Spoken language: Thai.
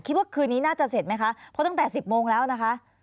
ว่าคืนนี้น่าจะเสร็จไหมคะเพราะตั้งแต่๑๐โมงแล้วนะคะ